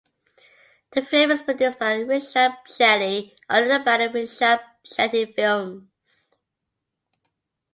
The film is produced by Rishab Shetty under the banner Rishab Shetty Films.